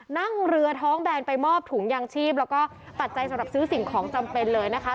นั่งเรือท้องแบนไปมอบถุงยางชีพแล้วก็ปัจจัยสำหรับซื้อสิ่งของจำเป็นเลยนะคะ